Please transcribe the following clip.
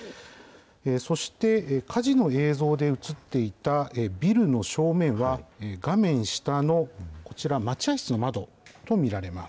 そして、火事の映像で写っていたビルの正面は、画面下のこちら、待合室の窓と見られます。